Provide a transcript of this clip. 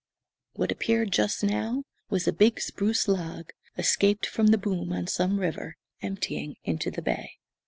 What appeared just now was a big spruce log, escaped from the boom on some river emptying into the bay.